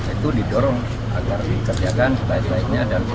itu didorong agar dikerjakan selain selainnya dan berusaha